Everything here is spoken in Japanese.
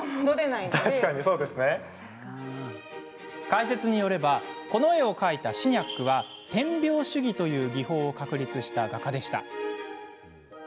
解説によればこの絵を描いたシニャックは点描主義という技法を確立した画家でした。